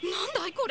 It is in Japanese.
これ。